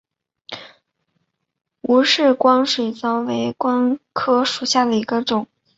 吴氏光水蚤为光水蚤科光水蚤属下的一个种。